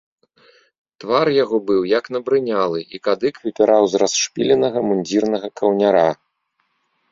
Твар яго быў як набрынялы, і кадык выпіраў з расшпіленага мундзірнага каўняра.